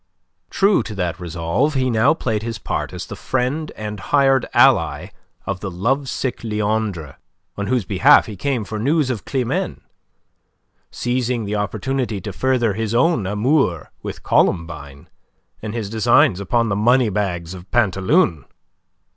True to that resolve, he now played his part as the friend and hired ally of the lovesick Leandre, on whose behalf he came for news of Climene, seizing the opportunity to further his own amour with Columbine and his designs upon the money bags of Pantaloon.